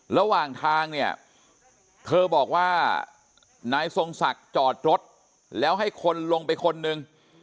ระหว่างทางเนี่ยเธอบอกว่านายทรงศักดิ์จอดรถแล้วให้คนลงไปคนหนึ่ง